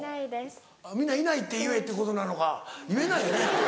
皆「『いない』って言え」ってことなのか言えないよね。